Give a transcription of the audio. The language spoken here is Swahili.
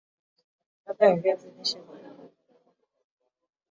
ladha ya viazi lishe inapendwa na wengi